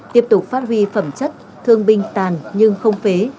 tiếp tục phát huy phẩm chất thương binh tàn nhưng không phế